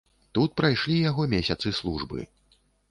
Тут прайшлі яго месяцы службы.